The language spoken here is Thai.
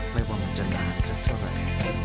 ไม่ว่ามันจะนานสักเท่าไหร่